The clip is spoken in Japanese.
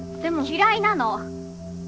嫌いなの。